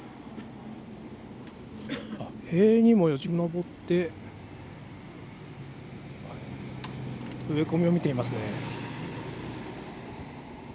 塀にもよじ登って植え込みを見ていますね。